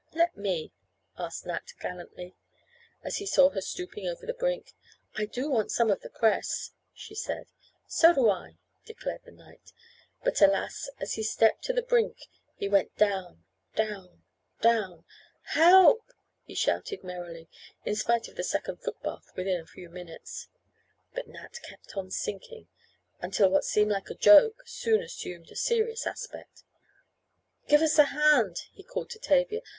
"Let me," asked Nat, gallantly, as he saw her stooping over the brink. "I do want some of the cress," she said. "So do I," declared the knight. But alas; as he stepped to the brink he went down down down "Help!" he shouted, merrily, in spite of the second foot bath within a few minutes. But Nat kept on sinking, until what seemed like a joke soon assumed a serious aspect. "Give us a hand," he called to Tavia.